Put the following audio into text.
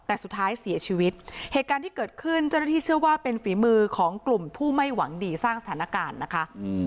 แต่สุดท้ายเสียชีวิตเหตุการณ์ที่เกิดขึ้นเจ้าหน้าที่เชื่อว่าเป็นฝีมือของกลุ่มผู้ไม่หวังดีสร้างสถานการณ์นะคะ